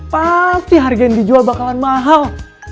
pasti harga yang dijual bakalan mahal